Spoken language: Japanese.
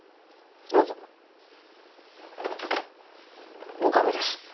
どうぞ岡部です